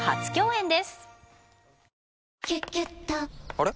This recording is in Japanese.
あれ？